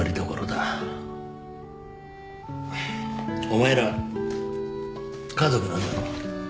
お前ら家族なんだろ？